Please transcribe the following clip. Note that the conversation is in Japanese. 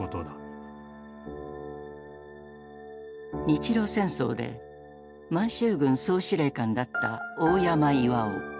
日露戦争で満州軍総司令官だった大山巌。